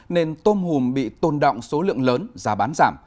nên tôm hùm bị tôn động số lượng lớn giá bán giảm